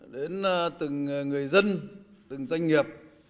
đến từng người dân từng doanh nghiệp